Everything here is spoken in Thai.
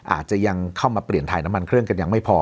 อาจจะยังเข้ามาเปลี่ยนถ่ายน้ำมันเครื่องกันยังไม่พอ